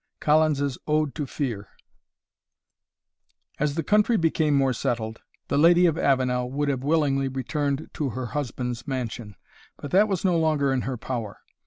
COLLINS'S Ode to Fear. As the country became more settled, the Lady of Avenel would have willingly returned to her husband's mansion. But that was no longer in her power.